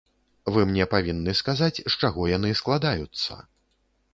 Вы мне павінны сказаць, з чаго яны складаюцца.